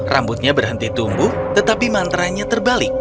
rambutnya berhenti tumbuh tetapi mantra nya terbalik